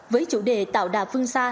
với chủ đề tạo đà phương xa